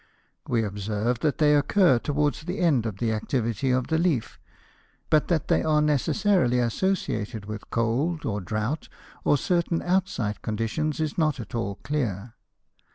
We observe that they occur towards the end of the activity of the leaf, but that they are necessarily associated with cold, or drought, or certain outside conditions, is not at all clear.